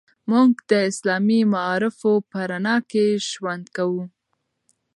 موږ د اسلامي معارفو په رڼا کې ژوند کوو.